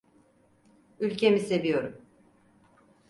Ülkemi seviyorum.